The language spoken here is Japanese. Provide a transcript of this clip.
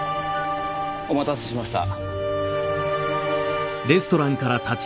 お待たせしました。